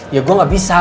ya gua gak bisa